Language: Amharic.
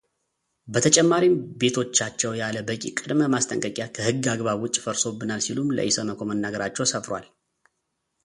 በተጨማሪም ቤቶቻቸው ያለ በቂ ቅድመ ማስጠንቀቂያ ከሕግ አግባብ ውጭ ፈርሶብናል ሲሉም ለኢሰመኮ መናገራቸው ሰፍሯል።